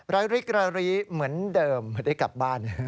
ร้ายริกรารีเหมือนเดิมไม่ได้กลับบ้าน